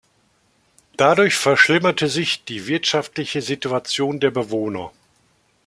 Dadurch verschlimmerte sich die wirtschaftliche Situation der Bewohner.